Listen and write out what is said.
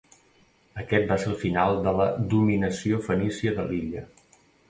Aquest va ser el final de la dominació fenícia de l'illa.